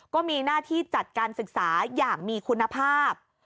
ก็มีหน้าที่จัดการศึกษาอย่างมีคุณภาพ